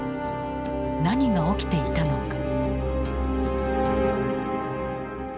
何が起きていたのか。